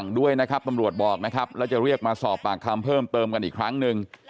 ด้วยนะครับตำรวจบอกนะครับแล้วจะเรียกมาสอบปากคำเพิ่มเติมกันอีกครั้งหนึ่ง